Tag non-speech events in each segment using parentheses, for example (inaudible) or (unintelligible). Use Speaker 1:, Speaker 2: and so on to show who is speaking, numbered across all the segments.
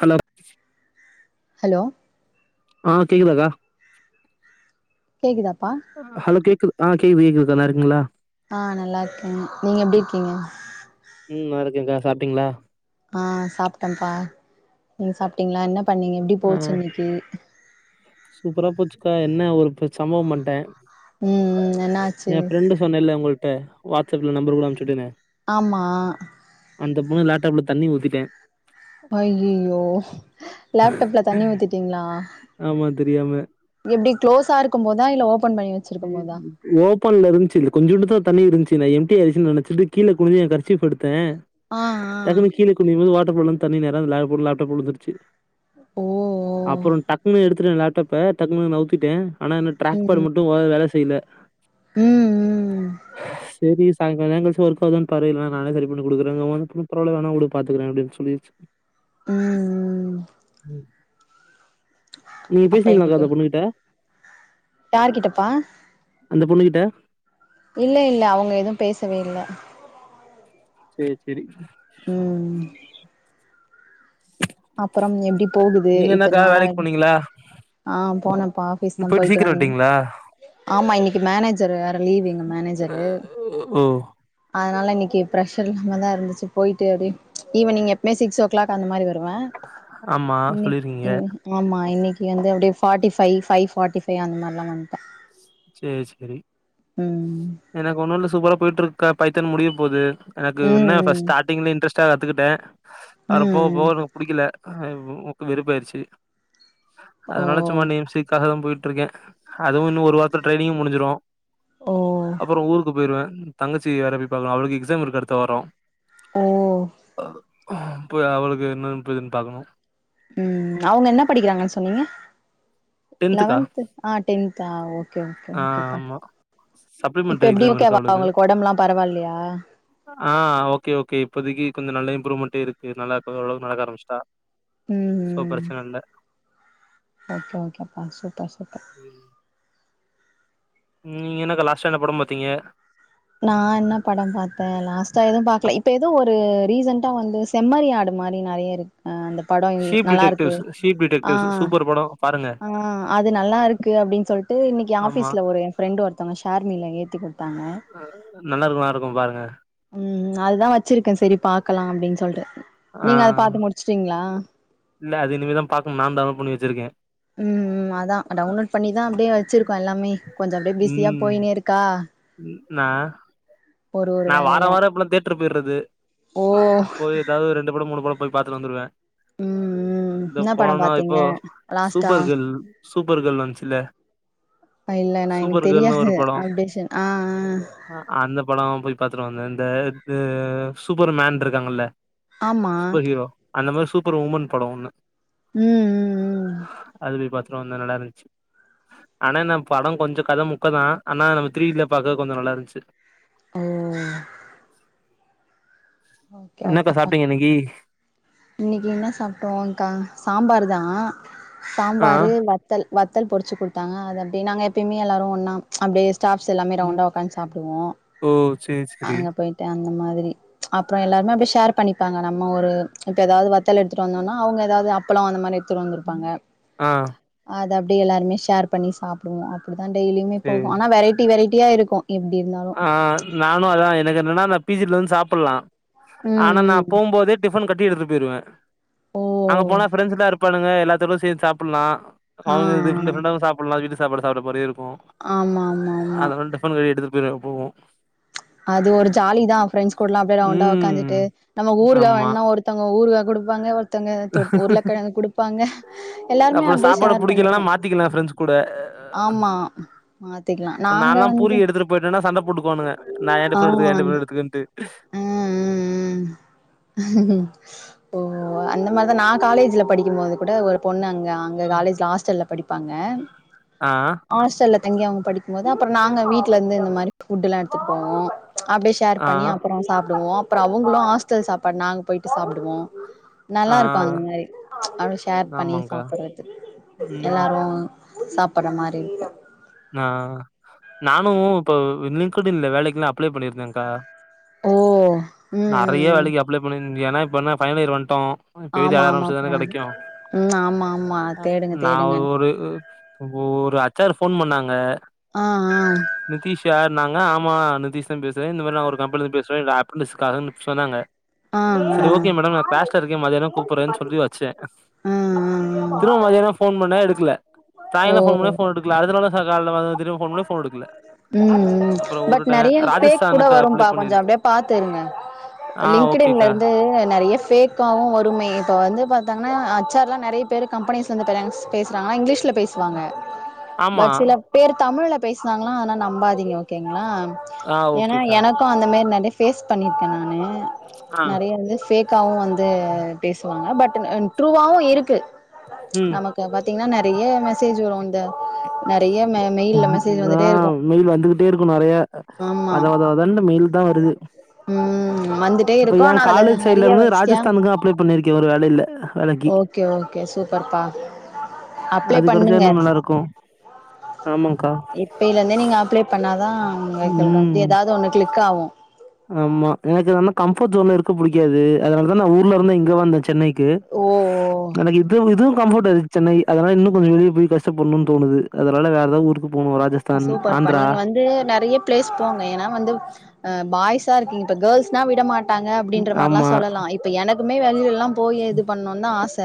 Speaker 1: Hello
Speaker 2: hello
Speaker 1: ஆ கேக்குதாக்கா
Speaker 2: கேக்குதாப்பா
Speaker 1: ஹலோ கேக்குது ஆ கேக்குது கேக்குதுக்கா நல்லா இருக்கிங்களா
Speaker 2: ஆ நல்லா இருக்கே நீங்க எப்டி இருக்கீங்க
Speaker 1: ம் நல்லா இருக்கேங்கா சாப்டிங்ளா
Speaker 2: ஆ சாப்ட்டேப்பா நீ சாப்டிங்ளா என்ன பண்ணீங்க எப்டி
Speaker 1: ஆ
Speaker 2: போச்சு இன்னைக்கு
Speaker 1: சூப்பரா போச்சுக்கா என்ன ஒரு இப்ப சம்பவோ பண்ட்டே
Speaker 2: ம் ம் என்னாச்சு
Speaker 1: சொன்னே இல்ல உங்கள்ட வாட்ஸ் அப்ல நம்பர் கூட அனுப்ச்சு விட்டேனே
Speaker 2: ஆமா
Speaker 1: அந்த பொண்ணு லேப்டாப்ல தண்ணி ஊத்திட்டே
Speaker 2: அய்யயோ லேப்டாப்ல தண்ணி ஊத்திட்டீங்ளா
Speaker 1: ஆமா தெரியாம
Speaker 2: எப்டி க்ளோஸ்சா இருக்கும்போதா இல்ல ஓபன் பண்ணி வச்
Speaker 1: (inaudible) ஓபன்ல இருந்துச்சு கொஞ்சோண்டு தா தண்ணி இருந்துச்சு நா எம்டியாயிருச்சு நெனச்சட்டு கீழ குனிஞ்சு எ கர்சிப்ப எடுத்தே
Speaker 2: ஆ ஆ
Speaker 1: டக்குனு கீழ குனியும் போது வாட்டர் பாட்டிலர்ந்து தண்ணி நேரா அந்த லேப் லேப்டாப்ல வுழுந்துருச்சு
Speaker 2: ஓ ஓ
Speaker 1: அப்பறோ டக்குனு எடுத்துட்டே லேப்டாப்ப டக்குன்னு நவுத்திட்டே ஆனா என்ன ட்ராக் பேடு
Speaker 2: ம்
Speaker 1: மட்டு ட்டு அ வேல செய்ல
Speaker 2: ம் ம் ம்
Speaker 1: செரி சாய்ங்காலோ எங்காச்சு ஒர்க் ஆவுதானு பாரு இல்லன்னா நானே சரி பண்ண குடுக்குறேங்கவு அந்த பொண்ணு பரவால்ல வேணா உடு பாத்துக்கறே அப்டின்னு சொல்லிருச்
Speaker 2: ம்
Speaker 1: ம் நீங்க
Speaker 2: அப்ப
Speaker 1: பேசினீங்களாக்கா அந்த பொண்ணுகிட்ட
Speaker 2: யாரு கிட்டப்பா
Speaker 1: அந்த பொண்ணு கிட்ட
Speaker 2: இல்ல இல்ல அவங்க எதுவு பேசவே இல்ல
Speaker 1: சேரி செரி
Speaker 2: ம் அப்புறம் எப்டி போகுது
Speaker 1: நீங்க
Speaker 2: இத்தன
Speaker 1: என்னக்கா
Speaker 2: நாளா
Speaker 1: வேலைக்கு போனீங்களா
Speaker 2: ஆ போனேம்பா ஆபீஸ் தா
Speaker 1: போயிட்டு
Speaker 2: பொயிட்டு
Speaker 1: சீக்கிர
Speaker 2: வந்தே
Speaker 1: வன்ட்டீங்களா
Speaker 2: ஆமா இன்னைக்கு மேனேஜரு வேற லீவு எங்க மேனேஜரு
Speaker 1: ம்
Speaker 2: அதுனால இன்னைக்கு ப்ரஷர் இல்லாம தா இருந்துச்சு பொயிட்டு அப்டி ஈவ்னிங் எப்பமே சிக்ஸ் ஓ க்ளாக் அந்த மாரி வரு டுவே
Speaker 1: ஆமா
Speaker 2: இன்னைக்கு
Speaker 1: சொல்லிருக்கீங்க
Speaker 2: இன் ஆமா இன்னிக்கு வந்து அப்டிய ஃபார்டி ஃபைவ ஃபைவ் ப்ட்டிஃபை ஃபைவ அந்த மாதிரிலா வந்தட்ட
Speaker 1: சரி சரி
Speaker 2: ம்
Speaker 1: எனக்கு ஒண்ணு இல்ல சூப்பரா போயிட்டு இருக்க பைத்தன் முடிய போகுது எனக்கு என்ன
Speaker 2: ம்
Speaker 1: ஃபர்ஸ்ட் ஸ்ட்டிங்ல் இன்ட்ரஸ்ட்டா கத்துக்கிட்ட அப்புறப்போ
Speaker 2: ம்
Speaker 1: போகிறதுக்கு பிடிக்கல உக்க வேருப்பாயிடுச்சு
Speaker 2: ஓ
Speaker 1: அதனால சும்மா நிம்சு க்காக தா போயிட்டு இருக்க அதுவும் இன்ன ஒரு வாரத்துல்லா ட்ரைனிங்கும் முடிஞ்சிரு
Speaker 2: ஓ
Speaker 1: அப்பற ஊருக்கு போயிடுவ தங்கச்சி வேற பார்க்கணும் அவளுக்கு எக்ஸாம் இருக்குது அடுத்த வார
Speaker 2: ஓ
Speaker 1: போய் அவளுக்கு என்னன்ன போதுன்னு பார்க்கணும்
Speaker 2: ம் அவங்க என்ன படிக்கிறாங்கன்னு சொன்னீங்க
Speaker 1: டென்த்துக்கா
Speaker 2: லெவன்த் ஆ டென்தா ஆ ஓகே ஓகே ப்பா
Speaker 1: சப்படி
Speaker 2: இப்ப எப்டி ஓகேவா அவங்களுக்கு உடம்பு எல்லா பரவாயில்லயா
Speaker 1: ஆ ஓகே ஓகே இப்பதைக்கு கொஞ்ச நல்ல இம்ப்ரூவ்மெண்ட்டு இருக்கு நல்லா ஓரளவுக்கு நடக்க ஆரம்பிச்சுட்டா சோ
Speaker 2: ம்
Speaker 1: பிரச்சனைல்ல
Speaker 2: ஓகே ஓகே அப்பா சூப்பர் சூப்பர்
Speaker 1: ம் நீங்க என்னக்கா லாஸ்ட்டா என்ன படம் பார்த்தீங்க
Speaker 2: நா என்ன படம் பார்த்த லாஸ்டா எதுவும் பாக்கல இப்ப ஏதோ ஒரு ரீசன்டா வந்து செம்மறி ஆடு மாதிரி நெறைய இருக்கு அந்த படம் இ நல்லா இருக்கு ஆஹ்
Speaker 1: ஒரு படம் பாருங்க
Speaker 2: ஆஹ் அது நல்லா இருக்கு அப்டின்னு சொல்லிட்டு இன்னிக்கு
Speaker 1: ஆமா
Speaker 2: ஆஃபீஸ்ல ஒரு ஃபிரண்ட் ஒருத்தங்க ஷார்மியில் ஏத்தி குடுத்தாங்க
Speaker 1: நல்லா இருக்கும் நல்லா இருக்கும் பாருங்க
Speaker 2: ம் அதுதா வச்சிருக்க சரி பார்க்கலா அப்டின்னு சொல்லிட்டு
Speaker 1: ஆ
Speaker 2: நீங்க அத பாத்துு முடிச்சுட்டீங்களா
Speaker 1: இல்ல அது இனிமே தா பாக்கன்னு நானு டவுன்லோட் பண்ணி வச்சிருக்க
Speaker 2: ம் அதா டவுன்லோட் பண்ணிதா அப்டியே வச்சிருக்கோ எல்லாமே கொஞ்ச அப்டியே பிஸியா போயினே இருக்கா
Speaker 1: ந
Speaker 2: ஒரு ஒரு
Speaker 1: நா வார
Speaker 2: வேலையா
Speaker 1: வார இப்பல்லா தேட்டரு போயிடுறது
Speaker 2: ஓ
Speaker 1: போய் ஏாவது ரெண்டுடம் மூன்னு பட போய் பார்த்துட்டு வந்துருவ
Speaker 2: ம் ம்
Speaker 1: இந்த
Speaker 2: என்ன படம்
Speaker 1: போனா
Speaker 2: பாத்தீங்க
Speaker 1: இப்போ
Speaker 2: லாஸ்ட்டா
Speaker 1: சூப்பர் கேர்ள் சூப்பர் கேர்ள் வந்துச்சல
Speaker 2: இல்ல நா எனக்கு
Speaker 1: ஒரு
Speaker 2: தெரியாது
Speaker 1: படோ
Speaker 2: அப்டியனு (unintelligible) ஆஹ்ஹ்
Speaker 1: அந்த பட போய் பாத்துருவந்த இந்த சூப்பர் மேன் இருக்காங்கல்ல
Speaker 2: ஆமா
Speaker 1: சூப்பர் ஹீரோ அந்த மாதிரி சூப்பர் உமன் படம் ஒண்ணு
Speaker 2: ம் ம் ம்
Speaker 1: அது போய் பாத்துட்டு வந்த நல்லா இருந்துச்சு ஆனா என்ன படம் கொஞ்ச கதை முக்க தா ஆனா நம்ம திருவிீல பாக்க கொஞ்ச நல்லா இருந்துச்சு
Speaker 2: ஆ
Speaker 1: என்னக்கா சாப்ட்டீங்க இன்னிக்கு
Speaker 2: இன்னிக்கு என்ன சாப்ட்டோம்்கா சாம்பார் தா
Speaker 1: ஆ
Speaker 2: சாம்பாரு வத் த்த வத்தல் பொரிச்சு கொடுத்தாங்க அது அப்டியே நாங்க எப்பயுமே எல்லாரும் ஒன்னா அப்டியே ஸ்டாஃப்ஸ் எல்லாமே ரவுண்தா உக்காந்து சாப்டுவோ
Speaker 1: ஓ சேரி சேரி
Speaker 2: அங்க போய் அந்த மாதிரி அப்பற எல்லாருமே அப்டியே ஷேர் பண்ணிப்பாங்க நம்ம ஒரு இப்ப ஏதாவது வத்தல எடுத்துிட்டு வந்தோம்னா அவங்க ஏதாவது அப்பளம் அந்த மாதிரி எடுத்துட்டு வந்தருப்பாங்க
Speaker 1: ஆ
Speaker 2: அது அப்டியே எல்லாருமே ஷேர் பண்ணி சாப்டுவோ அப்டி தா டய்லியுமே
Speaker 1: சேரி
Speaker 2: போகும் ஆனா வெரைட்டி வெரைட்டியா இருக்கும் எப்டி இருந்தாலு
Speaker 1: ஆஹ் நானு அதா எனக்கு என்னன்னா நா பிஜல வந்து சாப்டலா
Speaker 2: ம்
Speaker 1: ஆனா நா
Speaker 2: ம்
Speaker 1: போகும் போது டிஃபன் கட்டி எடுட்டு போயிடுவ
Speaker 2: ஓ
Speaker 1: அங்க போனா ஃப்ரெண்ட்ஸ் எல்லாம் இருப்பானுங்க எல்லாத்தோட சேர்ந்து சாப்டலா
Speaker 2: ஆ
Speaker 1: அவங்க இது டிஃரண்ட டிஃரண்ட சாப்டலா வீட்டு சாப்பாடு சாப்ட்ட மாதிரி இருக்கும்
Speaker 2: ஆமா ஆமா ஆமா
Speaker 1: (unintelligible) எடுத்துட்டு போய்ருவ போவோ
Speaker 2: அது ஒரு ஜாலிதா ஃப்ரெண்ட்ஸ் கூடலா அப்டியே ரவுண்டா உக்காந்துட்டு
Speaker 1: ம்
Speaker 2: நம்ம ஊறுகா
Speaker 1: ஆமா
Speaker 2: வேணா ஒரு த்தவ்ங்க ஊறுகா குடுப்பாங்க ஒருத் தவ்ங்க தொட் உருளக்கெழங்கு குடுப்பாங்க எல்லாருமே
Speaker 1: அப்புறோ
Speaker 2: அப்டியே
Speaker 1: சாப்பாடு
Speaker 2: ஷேர்
Speaker 1: புடிக்கலனா
Speaker 2: பண்ணிப்போ
Speaker 1: மாத்திக்கலா ஃப்ரெண்ட்ஸ் கூட
Speaker 2: ஆமா மாத்திக்கலா நாங்க
Speaker 1: நான்லா பூரி
Speaker 2: வந்து
Speaker 1: எடுத்துட்டு போயிட்டேன்னா சண்ட போட்டுக்வானுங்க நா எ
Speaker 2: ஆ
Speaker 1: டிஃபன எடுத்துக்க என் டிஃபன எடுத்துக்கன்ட்டு
Speaker 2: ஆ ஓ அந்த மாரிதா நா காலேஜ்ல படிக்கும் போது கூட ஒரு பொண்ணு அங்க அங்கே காலேஜ்ல ஹாஸ்டல்ல படிப்பாங்க
Speaker 1: ஆ
Speaker 2: ஹாஸ்டல்ல தங்கி அவங்க படிக்கும் போது அப்பறோ நாங்க வீட்ல இருந்து இந்த மாரி ப்டிலா எடுத்துட்டு போவோ அப்டியே ஷேர்
Speaker 1: ஆ
Speaker 2: பண்ணி அப்பறோ சாப்புடுவோ அப்றோ அவங்களு ஹாஸ்டல் சாப்பாடு நாங்க போயிட்டு சாப்டுவோ
Speaker 1: ஆ
Speaker 2: நல்லாருக்கு அந்த மாரி அவ்ளோ ஷேர் பண்ணி
Speaker 1: ஆமாங்க்கா
Speaker 2: சாப்பட்றது
Speaker 1: ம்
Speaker 2: எல்லாரு சாப்பட்ற மாரி இருக்கு
Speaker 1: நா நானு இப்ப லிங்க்டு இன்ல வேலைக்குல்லா அப்ளை பண்ணிருந்தேக்கா
Speaker 2: ஓ ம்
Speaker 1: நெறைய
Speaker 2: ம் ம்
Speaker 1: வேலைக்கு அப்ளை பண்ண ஏன்னா இப்ப என்ன ஃபைனல் இயர் வந்ட்டோ இப்பயே
Speaker 2: ஆமா
Speaker 1: தேட ஆரம்பிச்சதானே
Speaker 2: ஆமாப்பா
Speaker 1: கெடைக்கு
Speaker 2: ம் ஆமா ஆமா
Speaker 1: அ
Speaker 2: தேடுங்க
Speaker 1: நா
Speaker 2: தேடுங்க
Speaker 1: ஒரு ஒரு அச் ஆர் ஃபோன் பண்ணாங்க
Speaker 2: ஆ ஆ
Speaker 1: நிதிஷானாங்க ஆமா நிதிஷ்தா பேசுறே இந்த மாரி நா ஒரு கம்பெனிலந்து பேசறே இது ஆப்பன்டிஸ் காலுனு சொன்னாங்க
Speaker 2: ஆ ஆ
Speaker 1: சரி ஓகே மேடம் நா க்ளாஸ்ல இருக்கே மதியானோ கூப்புடறன்னு சொல்ட்டு வச்சே
Speaker 2: ஆ ஆ ஆ
Speaker 1: திரும்ப மதியானா ஃபோன் பண்ண எடுக்ல
Speaker 2: ஆ
Speaker 1: தாயந்ரோ ஃபோன்
Speaker 2: ஓ
Speaker 1: பண்ண ஃபோன் எடுக்கல அடுத்த தடவ சாயாங்காலோ வந்துடு ஃபோன் பண்ண ஃபோன எடுக்கல
Speaker 2: ம் ம்
Speaker 1: அப்றோ
Speaker 2: பட்
Speaker 1: வுட்டுட்டே
Speaker 2: நெறைய ஃபேக் கூட
Speaker 1: ராஜஸ்தானுக்கு
Speaker 2: வரும்பா
Speaker 1: அப்ளை
Speaker 2: கொஞ்சோ
Speaker 1: பண்ணிருக்கே
Speaker 2: அப்டியே பாத்துருங்க
Speaker 1: ஆ
Speaker 2: லிங்க்டு இன்ல
Speaker 1: ஓகேக்கா
Speaker 2: இருந்து நெறைய ஃபேக் காவு வருமே இப்ப வந்து பாத்தாங்னா ஹச் ஆர்லா நெறைய பேர் கம்பனிஸ்ல வந்து பெரன்ஸ் பேசுறாங்க இங்லிஷ்ல பேசுவாங்க
Speaker 1: ஆமா
Speaker 2: பட் சில பேர் தமிழ்ல பேசினாங்களா ஆனா நம்பாதீங்க ஓகேங்களா
Speaker 1: ஆ
Speaker 2: ஏனா
Speaker 1: ஓகேக்கா
Speaker 2: எனக்கு அந்த மாரி நெறை ஃபேஸ் பண்ணியிருக்கே நானு
Speaker 1: ஆ
Speaker 2: நெறைய வந்து ஃபேக்கவு வந்து பேசுவாங்க பட் டு அ ட்ரூவாவு இருக்கு
Speaker 1: ம்
Speaker 2: நமக் கது பாத்தீங்கன்னா நெறைய மெசேஜ் வரு இந்த நெறைய இந்ந
Speaker 1: ம் ஆ மெயில் வந்துகிட்டே இருக்கு நெறைய
Speaker 2: ஆமா
Speaker 1: வத வத வத னு மெயில் தா வருது
Speaker 2: ம் வந்துட்டே
Speaker 1: இப்ப
Speaker 2: இருக்கு
Speaker 1: எ
Speaker 2: ஆனா அதுல
Speaker 1: காலேஜ் சைட்ல
Speaker 2: நெறைய
Speaker 1: இருந்து
Speaker 2: ஸ்கேம்
Speaker 1: ராஜஸ்தானுக்கு அப்ளே பண்ணிருக்கே ஒரு வேளைல
Speaker 2: ஓகே ஓகே சூப்பர் பா
Speaker 1: அது கடைசியா இன்னு நல்லாருக்கு ஆமாக்கா
Speaker 2: இப்பைலேந்தே நீங்க அப்ளே பண்ணாதா உங்களுக்கு வந்து
Speaker 1: ம்
Speaker 2: எதாவ்து ஒன்னு கிளிக் ஆகு
Speaker 1: ஆமா எனக்கு என்னனா கம்ஃபர்ட் ஜோன்ல இருக்க புடிக்காது அதனாலதா நா ஊர்ல இருந்து இங்க வந்தே சென்னைக் ம்
Speaker 2: ஓ ஓ
Speaker 1: எனக்கு இல்ல இதுவும் கம்ஃபர்ட் ஆய்ட் சென்னை அதனால இன்னு கொஞ்ச வெளியே போய் கஷ்ட படணுன் தோணுது அதனால வேறெதாவ்து ஊருக்கு போனு ராஜஸ்
Speaker 2: ஸ்வீட்டா இருப்பாங்க நீங்க வந்து நெறைய பிளேஸ் போங்க ஏனா வந்து அ பாய்ஸா இருக்கீங்க இப்ப கேர்ள்ஸ்னா விடமாட் டாங்க
Speaker 1: ம்.
Speaker 2: அப்டின்ற மாரில்லா
Speaker 1: ஆமா
Speaker 2: சொல்லலா இப் ப எனக்குமே வெளியிலல்லா போய் இது பண்ணுன்தா ஆச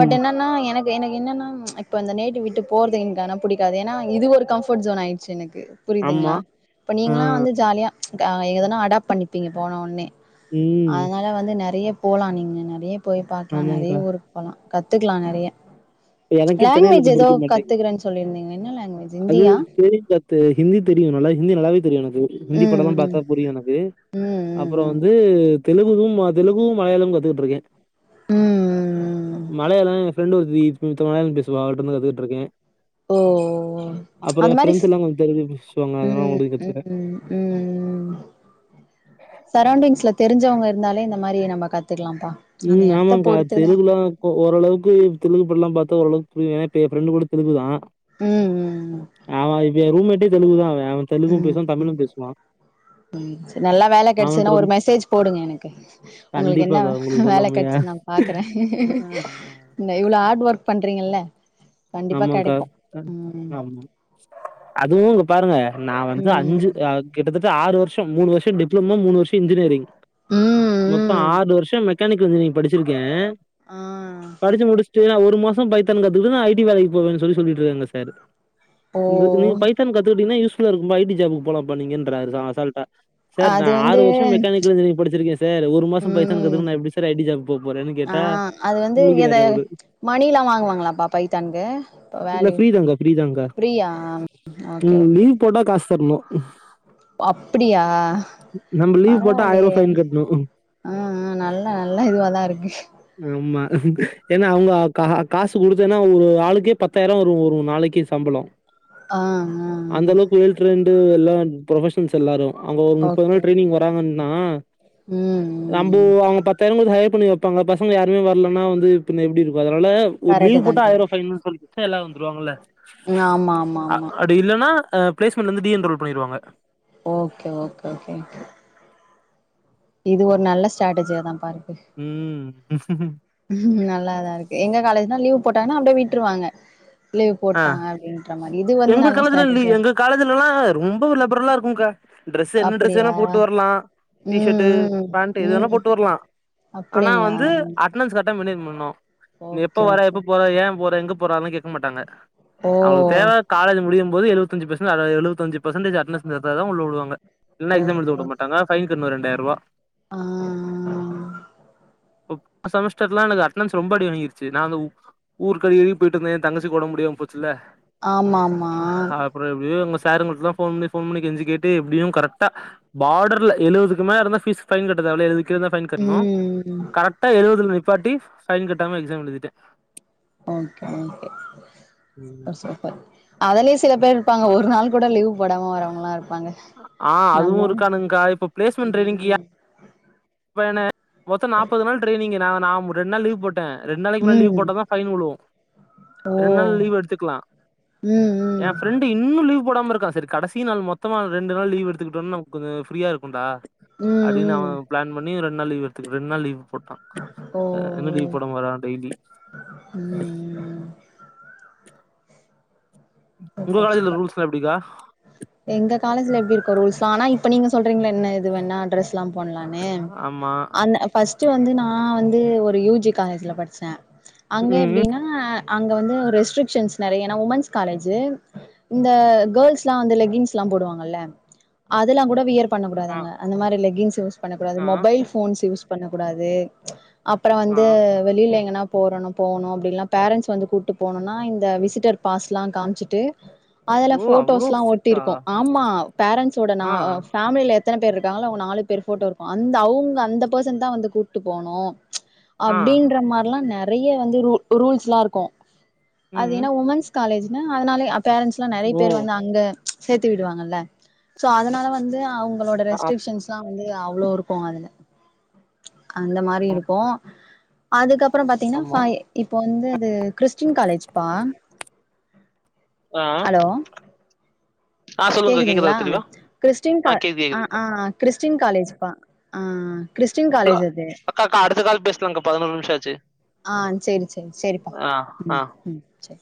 Speaker 2: பட் என்ன ன்னா எனக்கு எனக்கு என்னன்னா இப்ப இந்த நேட்டிவ் விட்டு போறதுக்கு எனக் ஆனா புடிக்காது ஏனா இது வரை கம்ஃபர்ட் ஜோன் ஆயிடுச்சு எனக்கு
Speaker 1: ஆமா
Speaker 2: புரியுதுங்ளா இப்ப
Speaker 1: ஆ
Speaker 2: நீங்களா வந்து ஜாலியா க எங்கதானா அடாப்ட் பண்ணிப்பீங்க போன ஒன்னே
Speaker 1: ம்
Speaker 2: அதனால் ல்ல வந்து நெறைய போல்லா நீங்க நறைய போய் பாக்கலா நெறைய
Speaker 1: ஆமாங்கா
Speaker 2: ஊருக் போல்லா கத்துக்கலாம் நிறைய
Speaker 1: எனக்கே சென்னைல
Speaker 2: லேங்வேஜ்
Speaker 1: இருக்க
Speaker 2: எதோ
Speaker 1: புடிக்க மாட்டேங்குது
Speaker 2: கத்துக்கறன் சொல்லியிருந்தீங்க என்ன லேங்குவேஜ்
Speaker 1: அது தெரிய கத்து ஹிந்தி தெரியு நல்லா ஹிந்தி நல்லாவே தெரியு எனக்கு ஹிந்தி
Speaker 2: ம்
Speaker 1: படல்லா
Speaker 2: ம்
Speaker 1: பாத்தா புரியு எனக்கு
Speaker 2: ம் ம்
Speaker 1: அப்புறோ
Speaker 2: ம்
Speaker 1: வந்து தெலுங்குதும் அ தெலுங்ககும் மலையாளம் கத்துக்கிட்ருக்கே
Speaker 2: ம் ம் ம்
Speaker 1: மழைய எ ஃப்ரெண்ட் ஒருத்தி மழைய பேசுவா அவள்ட்டு ருந்து கத்துக்கிட் இருக்கே
Speaker 2: ஓ அந்த மாதிரி
Speaker 1: ஃப்ரெண்ட்ஸ் எல்லாம் கொஞ்சம் தெலுங்கு பேசுவாங்க. அதனால
Speaker 2: ம்
Speaker 1: அவங்கள்ட்டயும் கத்துக்கிறேன்.
Speaker 2: ம் ம் சரோண்டிங்ஸ்ல தெரிஞ்சவங்க இருந்தாலே இந்த மாரி நம்ம கத்துக்கலாம்ப்பா அந்த
Speaker 1: ம்
Speaker 2: எடத்த
Speaker 1: ஆமாக்கா
Speaker 2: பொறுத்துதா
Speaker 1: தெலுங்குல்லா ஓ ஓரளவுக்கு தெலு பல்லா பாத்தா ஓரளவுக்குரிய ஏ இப்ப எனக்கு ஃப்ரெண்டு கூட தெலுங்கு தா
Speaker 2: ம் ம்
Speaker 1: அவ எ ரூமேட்டே தெலுகுதாங்க அவ தெலுகு
Speaker 2: ம்
Speaker 1: பேசுவா
Speaker 2: ம்
Speaker 1: தமிழு பேசுவா
Speaker 2: ம் சரி நல்லா வேல கெடச்சுதுன்னா ஒரு மெசேஜ் போடுங்க எனக்கு உங்களுக்கு என்ன
Speaker 1: கண்டிப்பாக்கா உங்களுக்கு
Speaker 2: வேல
Speaker 1: சொல்லாமயா?
Speaker 2: கட்ச்சுனா பாக்கறே இவ்லோ ஹார்ட் ஒர்க் பண்றீங்கல்ல கண்டிப்பா
Speaker 1: ஆமாங்கா
Speaker 2: கெடைக்கு ம்
Speaker 1: அம் அதுவு இங்க பாருங்க நா வந்து
Speaker 2: ம்
Speaker 1: அஞ்சு அ கிட்டத்தட்ட ஆறு வர்ஷம் மூனு வர்ஷம் டிப்ளமோ மூனு வர்ஷம் இன்ஜினியரிங் மொத்த
Speaker 2: ம் ம்
Speaker 1: ஆறு வர்ஷம் கணக்கு நீ படிச்சிருக்கே
Speaker 2: ஆ
Speaker 1: படிச்சு முடிஸ்ட்டு ஒரு மாசம் பைத்தான் கத்துக்கணு ஐ டி வேலைக்கு போவேன் சொல்லி சொல்லிட்ருக்காங்க சார்
Speaker 2: ஓ
Speaker 1: இந்த நீ பைத்தான் கத்துக்கிட்டீங்கா யூஸ்ஃபுல்லா இருக்கும் ஐ டி ஜாப்க்கு போலாம்ப்பா நீங்கன்றாரு ச அசால்டா சார் நா
Speaker 2: அது
Speaker 1: ஆறு
Speaker 2: வந்து
Speaker 1: வருஷம் மெக்கனிக்கல் இன்ஜினரிங் படிச்சிருக்கே சார் ஒரு மாசம் பைத்தான்
Speaker 2: ம்
Speaker 1: கத்துக்கணுன்னா நா எப்டி சார் ஐ டி ஜாப் போபோறேன்னு கேட்
Speaker 2: ஆ
Speaker 1: டா
Speaker 2: அது வந்து எத மணில்லா வாங்குவாங்களாப்பா பைத்தான்கு
Speaker 1: இல்ல
Speaker 2: வேல்யு
Speaker 1: ஃப்ரீதாங்கா ஃப்ரீதாங்கா
Speaker 2: பிரியா ஒகே ஒகே
Speaker 1: போடா காஸ் தர்னு
Speaker 2: அப்படியா
Speaker 1: நம்ம லீவ் போட்டா
Speaker 2: பரவாலையே
Speaker 1: ஆயிரூவா ஃபைன் கட்டணு
Speaker 2: ஆ ஆ நல்ல நல்லா இதுவாதா இருக்கு
Speaker 1: ஆம்மா ஏன்னா அவங்க கா காசு குடுத்தன்னா ஒரு ஒரு ஆளுக்கே பத்தாயிரம் வரு ஒரு நாளைக்கு சம்பளோ
Speaker 2: ஆ ஆ ஆ
Speaker 1: புயல் டிரெண்டு எல்லா புரொபஷன்ஸ் எல்லாரு அங்க ஒரு முப்பது
Speaker 2: ஓகே
Speaker 1: நாள்
Speaker 2: ஓகே
Speaker 1: டிரைனிங் வராங்கன்னா
Speaker 2: ம்
Speaker 1: நம்ப
Speaker 2: ம் ம்
Speaker 1: அவங்க பத்து (unintelligible) ஹர் பண்ணி வப்பாங்க பசங்க யாருமே வர்லன்னா வந்து இப்ப னே எப்டி இருக்கு அதனால ஒரு லீவ்
Speaker 2: கரெக்ட்டு தா
Speaker 1: போட்டா ஆயிரரூவா
Speaker 2: கரெக்ட்
Speaker 1: சொல்லி குத்துட்டா எல்லா வந்துருவாங்கள
Speaker 2: ம் ஆமா ஆமா ஆமா
Speaker 1: டி இல்லன்னா ஆ பிளேஸ்மெண்ட்லந்து டி எ என் ரோல் பண்ணிருவாங்க
Speaker 2: ஓகே ஓகே ஓகே ஓகே இது ஒரு நல்ல ஸ்டேட்டஜியா தாம்ப்பா இருக்கு
Speaker 1: ம்
Speaker 2: ம் நல்லாதா இருக்கு எங்க காலேஜ்னா லீவ்வு போட்டாங்கன்னா அப்படியே விட்டுருவாங்க லீவ்
Speaker 1: ஆ
Speaker 2: போட்டாங்க அப்படின்ற மாரி இது வந்து நல்ல ஸ்டேட்டர்ஜியா இருக்
Speaker 1: காலேஜ்ஜுலல்லா ரொம்ப (unintelligible) இருக்குங்கா டிரெஸ்சு என்ன டிரெஸ்சு வேனா
Speaker 2: அப்படியா
Speaker 1: போட்டு வர்லா டீஷர்ட்டு
Speaker 2: ம் ம்
Speaker 1: பேண்ட்டு எது வேணா
Speaker 2: ம்
Speaker 1: போட்டு வர்லா ஆனா
Speaker 2: அப்படிங்களா
Speaker 1: வந்து அட்டனன்ஸ் கரெட்டா மெய்ன்டேன் பண்ணணு நீ எப்ப
Speaker 2: ஓகே
Speaker 1: வர
Speaker 2: ஓகே
Speaker 1: எப்ப போற ஏ போற எங்க போறன்லா கேக்க மாட்டாங்க
Speaker 2: ஓ
Speaker 1: அவங்களுக்கு தேவ காலேஜ் முடியும் போது எழுவத்தஞ்சு பர்சன் எழுவத்தஞ்சு பர்சன்டேஜ் அட்டன்னன்ஸ் எட்துருந்தா தா உள்ள விடுவாங்க இல்லனா எக்ஸாம்
Speaker 2: ஓகே
Speaker 1: எழுத உட மாட்டாங்க ஃபைன் கட்டனு ரெண்டாயிரூவா
Speaker 2: ஆ
Speaker 1: செமிஸ்டர்ல்லாம எனக்கு அட்டனன்ஸ் ரொம்ப அடி வாங்கிருச்சு நா அந்த உ ஊருக்கு அங்க இங்கயு போய்ட்டுந்த எ தங்கச்சிக்கு ஒடம்பு முடியாம போச்சுல்ல
Speaker 2: ஆமாமா
Speaker 1: ஒரு எப்டியோ எங்க சாருங்க்கிட்டலா ஃபோன் பண்ணி ஃபோன் பண்ணி கெஞ்சி கேட்டு எப்டியு கரெக்டா பாடர்ல எழுவதுக்கு மேல இருந்தா ஃபீஸ் ஃபைன் கட்ட தேவல எழுது வது கீழ இருந்தா ஃபைன் கெட்னு
Speaker 2: ம்
Speaker 1: கரெக்டா எழுவதுல நிப்பாட்டி ஃபைன் கெட்டாம எக்ஸம் எழுதிட்ட
Speaker 2: ஓகே ஓகே (unintelligible) அதுலயு சில பேர் இருப்பாங்க ஒரு நாள் கூட லீவ் போடாம வாரவங்கல்லா இருப்பாங்க
Speaker 1: ஆ அதுவு
Speaker 2: நம்மு
Speaker 1: இருக்கானுங்க்கா இப்ப
Speaker 2: ம்
Speaker 1: பன மொத்த நாப்பது நாள் டிரேனிங்கு நா நா ரெண் நாள் லீவ் போட் ட ரெண்டு நாளைக்கு மேல லீவ்
Speaker 2: ம்
Speaker 1: போட்ட தா ஃபைன் உழு ரெண் நாள்
Speaker 2: ஓ
Speaker 1: லீவ் எடுத்துக்லா
Speaker 2: ம் ம்
Speaker 1: எ ஃப்ரெண்டு இன்னு லீவ் போடாம இருக்கா சரி கடைசி நாள் மொத்தமா ரெண்டு நாள் லவ் எடுத்துக்கிட்டனுக்கு கொஞ்சோ ஃப்ரீயா இருக்குன்டா
Speaker 2: ம்
Speaker 1: அடினவ
Speaker 2: ம்
Speaker 1: அட்டன் பண்ணி ரெண் நாள் லீவ் எடுத்துக்கு ரெண் நாள் லீவ் போட்டா
Speaker 2: ஓ
Speaker 1: அதுலந்து லீவ்
Speaker 2: ஓ
Speaker 1: போட மாறா டெய்லி
Speaker 2: ம் ம்
Speaker 1: உங்க
Speaker 2: சூப்பர்
Speaker 1: காலேஜ்ல
Speaker 2: சூப்பர்
Speaker 1: ரூல்ஸ்லா எப்டிக்கா
Speaker 2: எங்க காலேஜ்ல எப்டி இருக்கு ரூல்ஸ் ஆனா இப்ப நீங்க சொல்றீங்கல என்ன எது வேணா அட்ரஸ்ல்லா பண்ணலான்னு
Speaker 1: ஆமா
Speaker 2: அந்த அ ஃபஸ்ட்டு வந்து நா வந்து ஒரு யூ ஜி காலேஜ்ல படிச்ச அங்க
Speaker 1: ம்
Speaker 2: எப்டின்னா அ அங்க வந்து ரெஸ்ட்ரிக்ஷன்ஸ் நெறைய நா உமன்ஸ் காலேஜ் ஜி இந்த கேள்ஸ்ல்லா வந்து லெக்கின்ஸ்லா போடுவாங்கல்ல அதுல்லா கூட வியர் பண்ணக்கூடாது
Speaker 1: ஆ
Speaker 2: அங்க அந்த மாரி லெக்கின்ஸ் யூஸ் பண்ணக்கூடாது
Speaker 1: ஆ
Speaker 2: மொபைல் ஃபோன்ஸ் யூஸ் பண்ணக்கூடாது அப்பறோ
Speaker 1: ஆ
Speaker 2: வந்து வெளில எங்கனா போறணு போணு அப்டில்லா பேரண்ட்ஸ் வந்து கூட்டு போனுனா இந்த விசிட்டர் பாஸ்லா காம் ச்சிட்டு அதுல
Speaker 1: ஓ அவ்ளோ
Speaker 2: போட்டோஸ்லா
Speaker 1: ஸ்ட்ரிக்ட்டா
Speaker 2: ஒட்டிருக்கு ஆமா பரண்ஸ்சோட நா
Speaker 1: ஆ
Speaker 2: ஃபேமிலில எத்தன பேர் இருக்காங்களோ அவங்க நாலு பேர் ஃபோட்டோ இருக்கும் அந்த அவங்க அந்த பர்சன் தான் வந்து கூப்பட்டு போனும்
Speaker 1: ஆ
Speaker 2: அப்டின்ற மாரிலா நெறைய வந்து ரூ ரூல்ஸ்லா இருக்கு அது
Speaker 1: ம்
Speaker 2: ஏனா உமன்ஸ் காலேஜ்ன்னா அதனாலே பேரண்ட்ஸ்ல்லா நெறைய
Speaker 1: ஓ
Speaker 2: பேர் வந்து அங்க சேத்து விடுவாங்கல்ல சோ அதனால வந்து அவங்களோட ரெஸ்ட்ரிக்ஷன்ஸ் லா வந்து அவ்ளோ இருக்கு அதுல அந்த மாரி இருக்கு அதுக்கப்றோ பாத்தீங்கன்னா
Speaker 1: ஆமா
Speaker 2: பா இப்போ வந்து அது கிறிஸ்டின் காலேஜ்ப்பா
Speaker 1: ஆ
Speaker 2: ஹலோ
Speaker 1: ஆ சொல்லுங்க கேக்குதா
Speaker 2: கேக்குதுங்ளா
Speaker 1: தெளிவா
Speaker 2: கிறிஸ்டின் கா
Speaker 1: கேக்குது
Speaker 2: ஆ ஆ
Speaker 1: கேக்குது
Speaker 2: கிறிஸ்டின் காலேஜ்ப்பா ஆ கிறிஸ்டின்
Speaker 1: கா
Speaker 2: காலேஜ் அது
Speaker 1: அக்காக்கா அடுத்த காால் பேசலாகக்கா பதினோரு நிமிஷாச்சி
Speaker 2: ஆ சேரி சேரி சேரிப்பா
Speaker 1: ஆ
Speaker 2: ம் சேரி